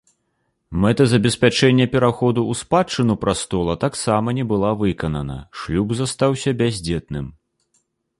Мэта забеспячэння пераходу ў спадчыну прастола таксама не была выканана, шлюб застаўся бяздзетным.